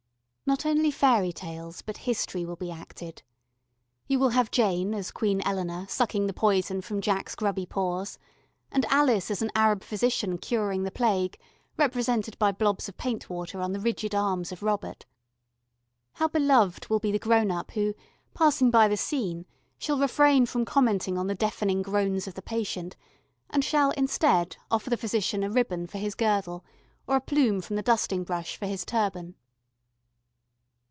Not only fairy tales, but history will be acted. You will have Jane as Queen Eleanor sucking the poison from Jack's grubby paws, and Alice as an Arab physician curing the plague, represented by blobs of paint water on the rigid arms of Robert. How beloved will be the grown up who, passing by the scene, shall refrain from commenting on the deafening groans of the patient, and shall, instead, offer the physician a ribbon for his girdle or a plume from the dusting brush for his turban.